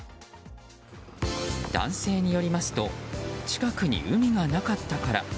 男性によりますと近くに海がなかったから。